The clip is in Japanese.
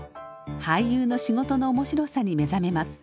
俳優の仕事の面白さに目覚めます。